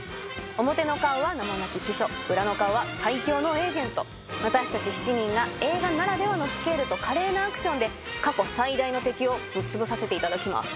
表の顔は名もなき秘書裏の顔は最強のエージェント私たち七人が映画ならではのスケールと華麗なアクションで過去最大の敵をぶっ潰させていただきます